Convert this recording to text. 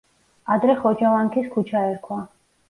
ადრე ხოჯავანქის ქუჩა ერქვა.